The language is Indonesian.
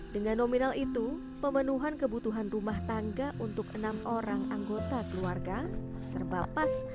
dengan nominal itu pemenuhan kebutuhan rumah tangga untuk enam orang anggota keluarga serba pas